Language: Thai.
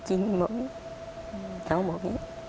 เขาก็บอกอย่างนี้